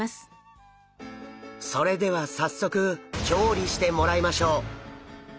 それでは早速調理してもらいましょう！